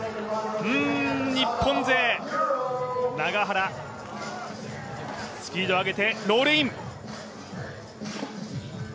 日本勢、永原、スピードを上げてロールイン。